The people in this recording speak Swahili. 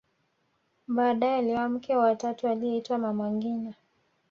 baadaye alioa mke wa tatu aliyeitwa mama ngina